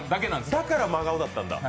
だから真顔だったんだ。